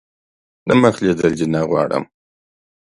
دمخ لیدل دي نه غواړم .